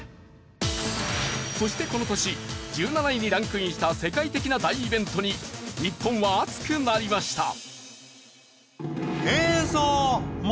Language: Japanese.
そしてこの年１７位にランクインした世界的な大イベントに日本は熱くなりました。